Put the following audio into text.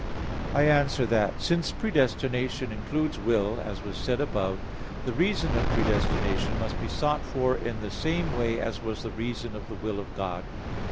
I answer that, Since predestination includes will, as was said above (A. 4), the reason of predestination must be sought for in the same way as was the reason of the will of God.